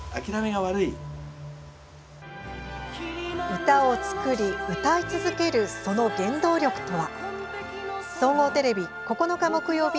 歌を作り歌い続けるその原動力とは？